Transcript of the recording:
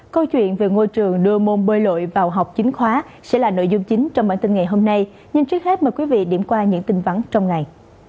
câu chuyện về ngôi trường đưa môn bơi lội vào học chính khóa sẽ là nội dung chính trong bản tin ngày hôm nay nhưng trước hết mời quý vị điểm qua những tin vắng trong ngày